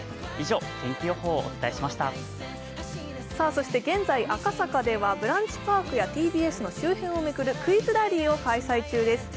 そして現在、赤坂ではブランチパークやＴＢＳの周辺を巡るクイズラリーを開催中です。